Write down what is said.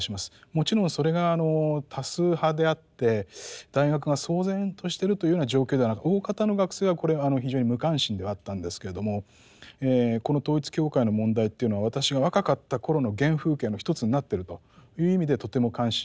もちろんそれが多数派であって大学が騒然としてるというような状況ではなく大方の学生はこれ非常に無関心ではあったんですけれどもこの統一教会の問題っていうのは私が若かった頃の原風景の一つになってるという意味でとても関心を持っております。